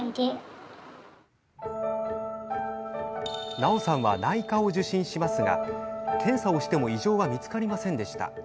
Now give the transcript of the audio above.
奈緒さんは内科を受診しますが検査をしても異常は見つかりませんでした。